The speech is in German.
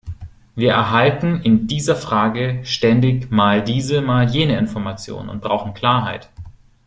Wir erhalten in dieser Frage ständig mal diese, mal jene Information und brauchen Klarheit.